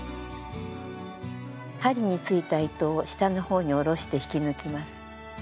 針についた糸を下の方に下ろして引き抜きます。